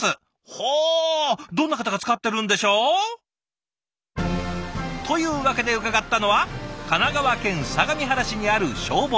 ほうどんな方が使ってるんでしょう？というわけで伺ったのは神奈川県相模原市にある消防署。